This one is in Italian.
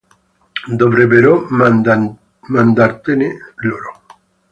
Dovrebbero mandartene loro.